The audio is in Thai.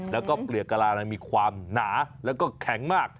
แล้วก็เปลือกกะลามีความหนาแล้วก็แข็งมาก